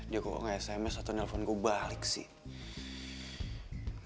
dia kok gak sms atau nelfon gue balik sih